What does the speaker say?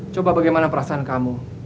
coba bagaimana perasaan kamu